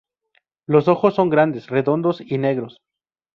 Los ojos son grandes, redondos y negros.